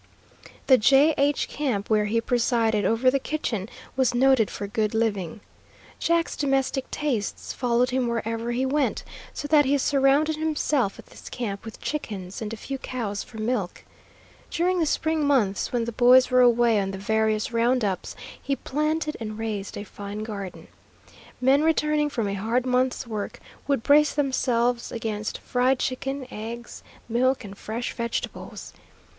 The "J+H" camp, where he presided over the kitchen, was noted for good living. Jack's domestic tastes followed him wherever he went, so that he surrounded himself at this camp with chickens, and a few cows for milk. During the spring months, when the boys were away on the various round ups, he planted and raised a fine garden. Men returning from a hard month's work would brace themselves against fried chicken, eggs, milk, and fresh vegetables.